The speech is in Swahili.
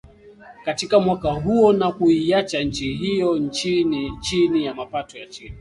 katika mwaka huo na kuiacha nchi hiyo chini ya mapato ya chini